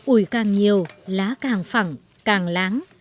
ủi càng nhiều lá càng phẳng càng láng